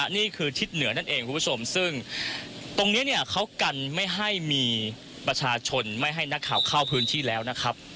นี่คือทิศเหนือนั่นเองคุณผู้ชมซึ่งตรงนี้เนี่ยเขากันไม่ให้มีประชาชนไม่ให้นักข่าวเข้าพื้นที่แล้วนะครับ